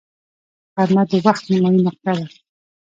غرمه د وخت نیمايي نقطه ده